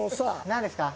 何ですか？